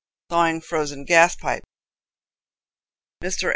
Thawing Frozen Gas Pipe. Mr.